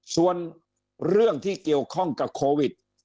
ส่วนเรื่องที่เกี่ยวข้องกับโควิด